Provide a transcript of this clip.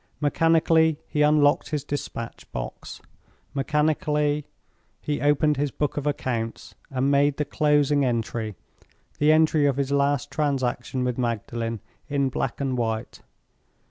Mechanically he unlocked his dispatch box. Mechanically he opened his Book of Accounts, and made the closing entry—the entry of his last transaction with Magdalen—in black and white.